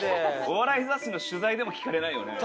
お笑い雑誌の取材でも聞かれないよね。